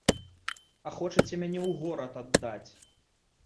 А хочаце мяне ў горад аддаць.